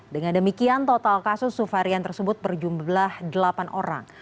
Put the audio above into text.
dengan demikian total kasus suvarian tersebut berjumlah delapan orang